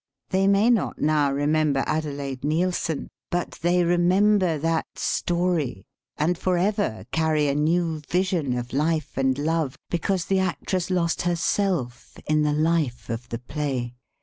They may not now remember Adelaide Neilson, but they remember that story, and forever carry a new vision of life and love, be cause the actress lost herself in the life of the play.